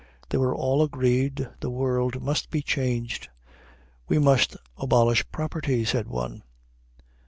They were all agreed the world must be changed. 'We must abolish property,' said one.